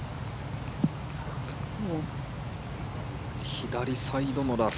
左サイドのラフ。